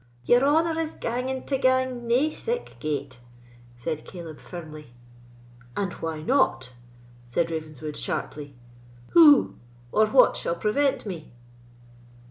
"Your honour is ganging to gang nae sic gate," said Caleb, firmly. "And why not?" said Ravenswood, sharply; "who or what shall prevent me?"